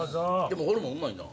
ホルモンうまいな。